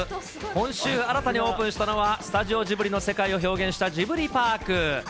今週、新たにオープンしたのは、スタジオジブリの世界を表現したジブリパーク。